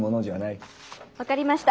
分かりました。